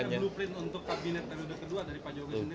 ada blueprint untuk kabinet periode kedua dari pak jokowi sendiri